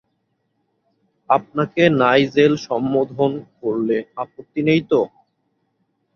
আপনাকে নাইজেল সম্বোধন করলে আপত্তি নেই তো?